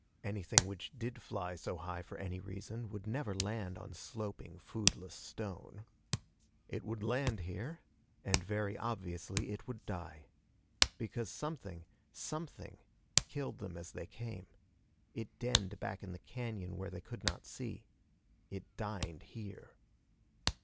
Anything which did fly so high for any reason would never land on sloping, foodless stone. It would land here. And very obviously it would die. Because something something killed them as they came. It denned back in the cañon where they could not see. It dined here.